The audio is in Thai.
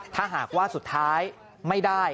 ถ้าหากว่าสุดท้ายไม่ได้